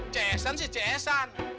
cs an sih cs an